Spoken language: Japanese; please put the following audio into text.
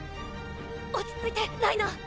落ち着いてライナー！！